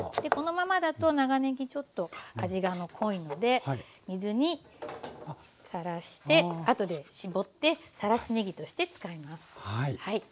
このままだと長ねぎちょっと味が濃いので水にさらしてあとで絞ってさらしねぎとして使います。